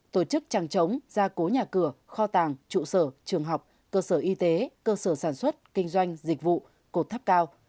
tổ chức trang trống gia cố nhà cửa kho tàng trụ sở trường học cơ sở y tế cơ sở sản xuất kinh doanh dịch vụ cột thấp cao